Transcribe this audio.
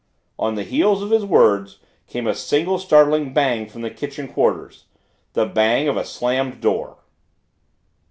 On the heels of his words came a single, startling bang from the kitchen quarters the bang of a slammed door!